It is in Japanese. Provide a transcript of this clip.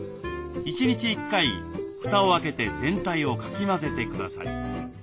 １日１回蓋を開けて全体をかき混ぜてください。